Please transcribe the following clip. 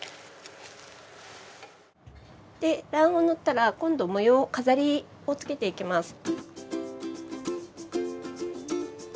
卵黄塗ったら今度模様飾りをつけていきます。